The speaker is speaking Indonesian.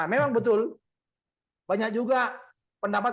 memang betul banyak juga pendapat